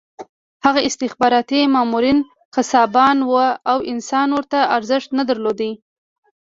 هغه استخباراتي مامورین قصابان وو او انسان ورته ارزښت نه درلود